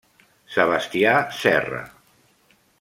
Sebastià Serra.